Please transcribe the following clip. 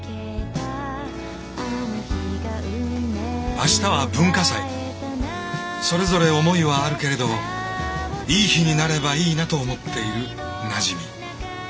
明日は文化祭それぞれ思いはあるけれどいい日になればいいなと思っているなじみ。